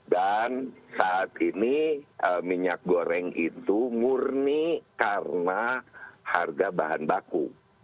dan saat ini minyak goreng itu murni karena harga bahan baku